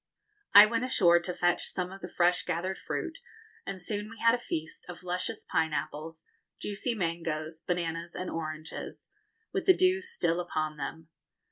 I went ashore to fetch some of the fresh gathered fruit, and soon we had a feast of luscious pineapples, juicy mangoes, bananas, and oranges, with the dew still upon them.